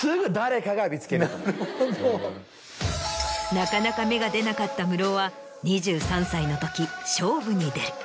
なかなか芽が出なかったムロは２３歳のとき勝負に出る。